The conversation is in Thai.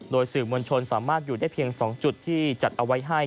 โดยสื่อมวลชนสามารถอยู่ได้เพียง๒จุดที่จัดเอาไว้ให้